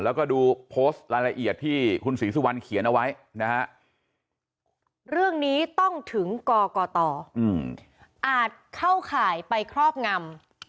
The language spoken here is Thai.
แล้วก็ดูโพสต์รายละเอียดที่คุณศรีสุวรรณเขียนเอาไว้นะฮะเรื่องนี้ต้องถึงกกตอาจเข้าข่ายไปครอบงำ